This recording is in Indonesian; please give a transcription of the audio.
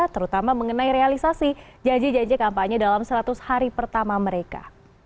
terutama mengenai realisasi janji janji kampanye dalam seratus hari pertama mereka